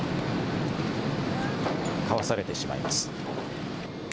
かわされてしまいます。